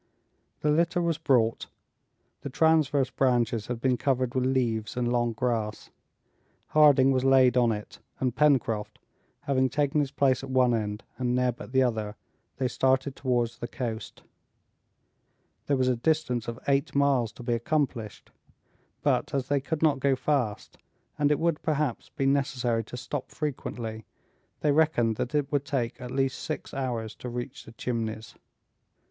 The litter was brought; the transverse branches had been covered with leaves and long grass. Harding was laid on it, and Pencroft, having taken his place at one end and Neb at the other, they started towards the coast. There was a distance of eight miles to be accomplished; but, as they could not go fast, and it would perhaps be necessary to stop frequently, they reckoned that it would take at least six hours to reach the Chimneys.